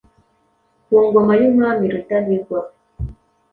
ku ngoma y’umwami Rudahigwa.